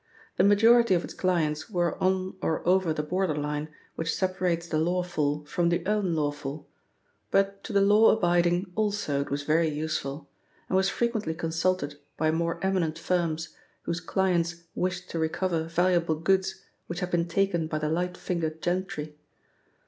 The majority of its clients were on or over the border line which separates the lawful from the unlawful, but to the law abiding also it was very useful, and was frequently consulted by more eminent firms whose clients wished to recover valuable goods which had been taken by the light fingered gentry.